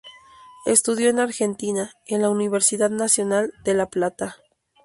Estudió en Argentina, en la Universidad Nacional de La Plata.